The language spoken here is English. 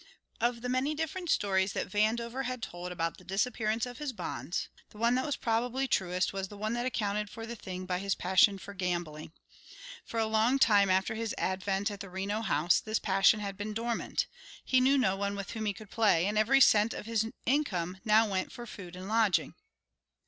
Of the many different stories that Vandover had told about the disappearance of his bonds, the one that was probably truest was the one that accounted for the thing by his passion for gambling. For a long time after his advent at the Reno House this passion had been dormant; he knew no one with whom he could play, and every cent of his income now went for food and lodging.